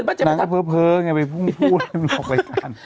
นางก็เพ้อไปปุ้งพู่แล้วมันออกไปกัน